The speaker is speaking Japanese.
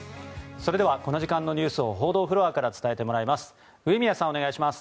それではこの時間のニュースを報道フロアから伝えてもらいます上宮さん、お願いします。